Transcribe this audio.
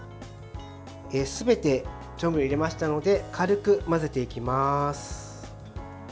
すべて調味料を入れましたので軽く混ぜていきます。